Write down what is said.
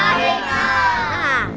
tukang pijit nyasar